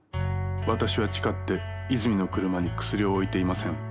「私は誓って泉の車にクスリを置いていません」。